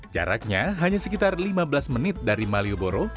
jaraknya hanya sekitar lima belas menit dari malioboro